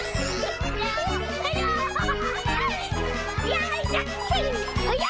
よいしょ！